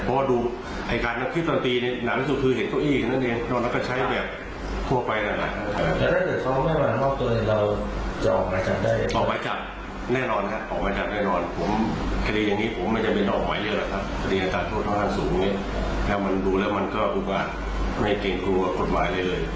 คดีอาจารย์โทษท่อทางสูงแล้วมันดูแล้วมันก็ไม่เกร็งกลัวกดหวายเรื่อย